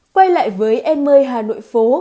quay lại với em ơi hà nội phố